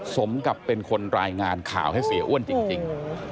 สมกับเป็นคนรายงานข่าวให้เสียอ้วนจริง